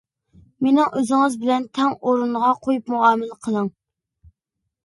مېنىڭ ئۆزىڭىز بىلەن تەڭ ئورۇنغا قويۇپ مۇئامىلە قىلىڭ.